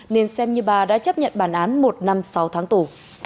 nên xem như bà đã chấp nhận bản án một năm sáu tháng tù